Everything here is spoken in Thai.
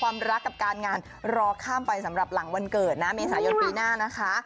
รักกับการงานรอข้ามไปสำหรับหลังวันเกิดนะเมษายนปีหน้านะคะ